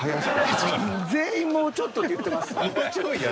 全員もうちょっとって言ってます。